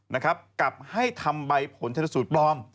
สาเหตุกับให้ทำใบผลเฉพาะสูตรปลอม